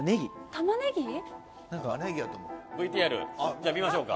玉ねぎ？ＶＴＲじゃあ見ましょうか。